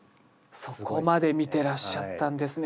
そこまで見てらっしゃったんですね。